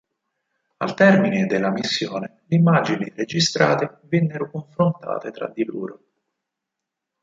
Al termine della missione le immagini registrate vennero confrontate tra di loro.